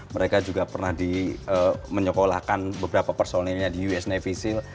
mereka juga pernah menyokolahkan beberapa personilnya di us navy seals